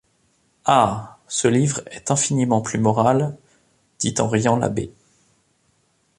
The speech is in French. Ah! ce livre est infiniment plus moral, dit en riant l’abbé.